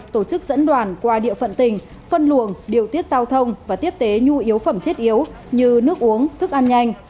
tổ chức dẫn đoàn qua địa phận tỉnh phân luồng điều tiết giao thông và tiếp tế nhu yếu phẩm thiết yếu như nước uống thức ăn nhanh